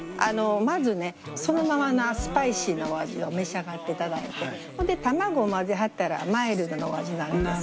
まずねそのままなスパイシーなお味を召し上がっていただいてほんで卵混ぜはったらマイルドなお味なります。